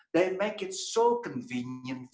mereka membuatnya sangat nyaman